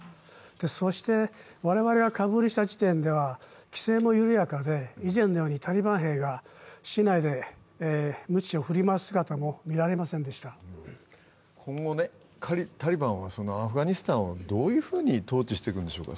そして我々が確認した時点では規制も緩やかで、以前のようにタリバン兵が市内でむちを振り回す姿も今後タリバンはアフガニスタンをどういうふうに統治していくんでしょうか？